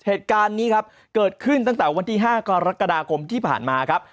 เหตุการณ์นี้ครับเกิดขึ้นตั้งแต่วันที่๕กรกฎาคมที่ผ่านมาครับ